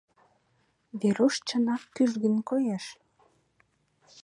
Веруш чынак кӱжгын коеш.